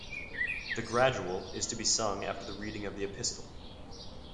The Gradual is to be sung after the reading of the Epistle.